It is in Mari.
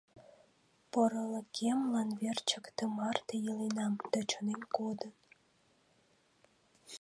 Порылыкемлан верчак тымарте иленам да чонем кодын.